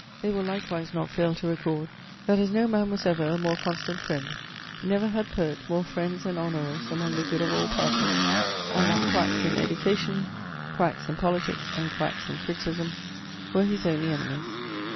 They will likewise not fail to record, that as no man was ever a more constant friend, never had poet more friends and honourers among the good of all parties; and that quacks in education, quacks in politics, and quacks in criticism were his only enemies.